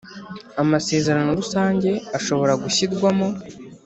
Amasezerano rusange ashobora gushyirwamo